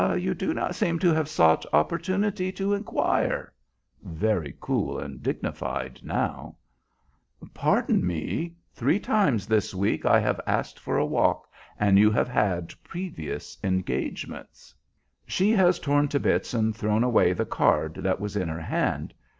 "You do not seem to have sought opportunity to inquire," very cool and dignified now. "Pardon me. Three times this week I have asked for a walk, and you have had previous engagements." She has torn to bits and thrown away the card that was in her hand.